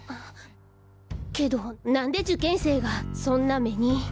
けどなんで受験生がそんな目に。